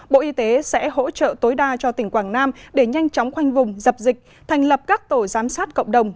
bộ y tế sẽ hỗ trợ tối đa cho tỉnh quảng nam để nhanh chóng khoanh vùng dập dịch thành lập các tổ giám sát cộng đồng